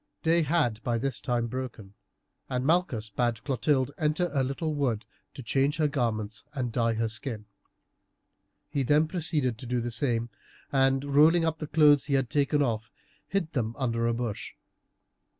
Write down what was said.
Day had by this time broken, and Malchus bade Clotilde enter a little wood to change her garments and dye her skin. He then proceeded to do the same, and rolling up the clothes he had taken off, hid them under a bush.